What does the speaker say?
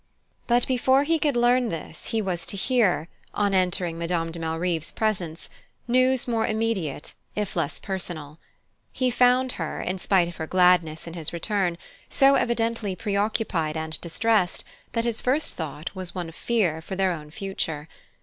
But before he could learn this he was to hear, on entering Madame de Malrive's presence, news more immediate if less personal. He found her, in spite of her gladness in his return, so evidently preoccupied and distressed that his first thought was one of fear for their own future.